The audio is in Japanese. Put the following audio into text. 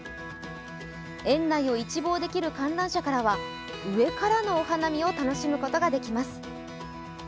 園内を一望できる観覧車からは上からのお花見を楽しむことができます。